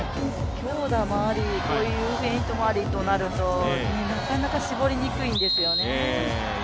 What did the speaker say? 強打もあり、こういうフェイントもありとなると、なかなか絞りにくいんですよね。